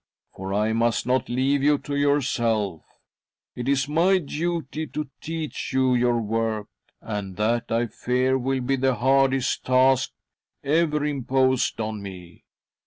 For I must not leave you to yourself ; it is my duty to teach you your work, .and that, I fear, will be the hardest task ever im posed on me.